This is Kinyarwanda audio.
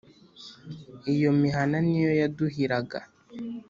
iyo mihana ni yo yaduhiraga